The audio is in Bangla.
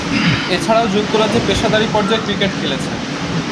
এছাড়াও, যুক্তরাজ্যে পেশাদারী পর্যায়ে ক্রিকেট খেলেছেন।